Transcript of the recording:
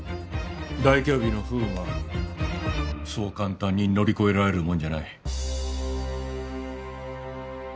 大凶日の不運はそう簡単に乗り越えられるもんじゃない。